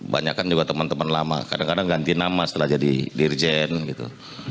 banyak kan juga teman teman lama kadang kadang ganti nama setelah jadi dirjen gitu